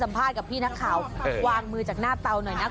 สัมภาษณ์กับพี่นักข่าววางมือจากหน้าเตาหน่อยนะคะ